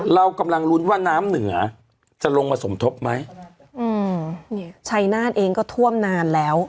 เรากำลังลุ้นว่าน้ำเหนือจะลงมาสมทบไหมอืมนี่ชัยนาธเองก็ท่วมนานแล้ว